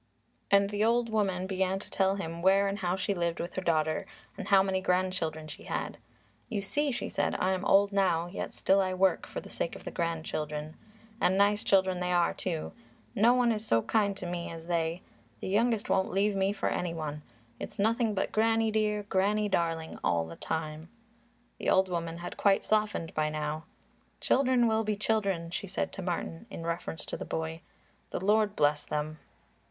And the old woman began to tell him where and how she lived with her daughter and how many grandchildren she had. "You see," she said, "I'm old now, yet still I work, for the sake of the grandchildren. And nice children they are, too. No one is so kind to me as they. The youngest won't leave me for any one. It's nothing but Granny dear, Granny darling all the time." The old woman had quite softened by now. "Children will be children," she said to Martin in reference to the boy. "The Lord bless them."